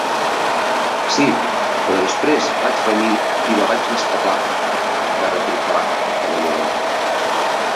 'Sí, però després vaig venir i la vaig rescatar!' va replicar el cavaller blanc.